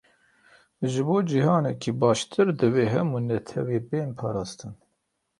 Ji bo cîhaneke baştir divê hemû netewe bên parastin.